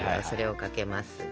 それをかけます。